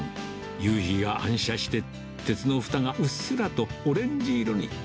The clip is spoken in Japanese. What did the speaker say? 夕日が反射して、鉄のふたがうっすらとオレンジ色に。